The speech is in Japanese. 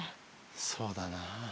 そうだな。